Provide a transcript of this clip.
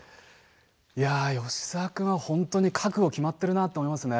いやあ、吉沢君は本当に覚悟が決まっているなと思いますね。